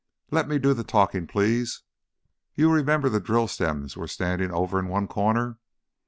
"Let me do the talking, please. You remember the drill stems were standing over in one corner?